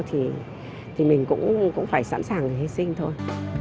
thì mình cũng phải sẵn sàng hi sinh thôi